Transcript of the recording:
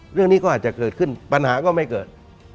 เรื่องนี้ก็อาจจะเกิดขึ้นปัญหาก็ไม่เกิด